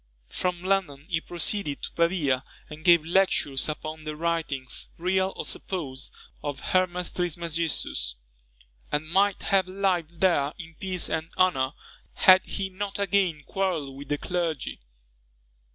From London he proceeded to Pavia, and gave lectures upon the writings, real or supposed, of Hermes Trismegistus; and might have lived there in peace and honour, had he not again quarrelled with the clergy.